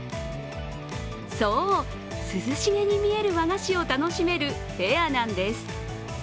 そう、涼しげに見える和菓子を楽しめるフェアなんです。